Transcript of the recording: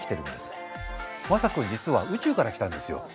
まさ君実は宇宙から来たんですよ。